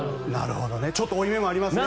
ちょっと負い目もありますもんね。